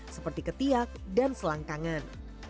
seperti ketiak dan selangkangan